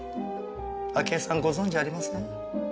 秋枝さんご存じありません？